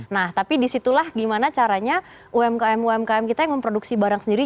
nah tapi disitulah gimana caranya umkm umkm kita yang memproduksi barang sendiri